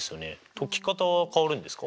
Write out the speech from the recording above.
解き方は変わるんですか？